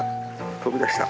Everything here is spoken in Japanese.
飛び出した！